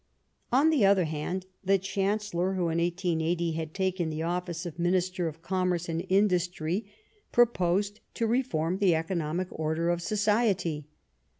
On the other hand, the Chancellor, who, in 1880, had taken the office of Minister of Commerce and Industry, proposed to reform the economic order of society.